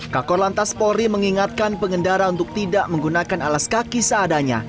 kakor lantas polri mengingatkan pengendara untuk tidak menggunakan alas kaki seadanya